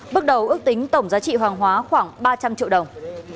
bước đầu ước tính tổng giá trị hoàng hóa khoảng ba trăm linh triệu đồng